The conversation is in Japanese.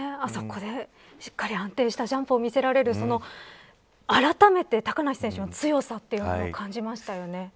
あそこで安定したジャンプを見せられるあらためて、高梨選手の強さを感じましたよね。